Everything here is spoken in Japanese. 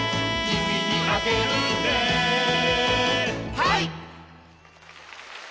はい！